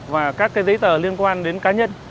và các cái giấy tờ liên quan đến cá nhân